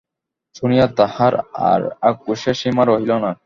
শুনিয়া তাঁহার আর আক্রোশের সীমা রহিল না।